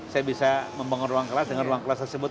saya bisa membangun ruang kelas dengan ruang kelas tersebut